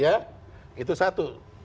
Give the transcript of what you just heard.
ya itu satu